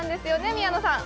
宮野さん